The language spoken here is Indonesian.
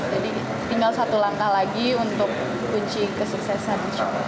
tinggal satu langkah lagi untuk kunci kesuksesan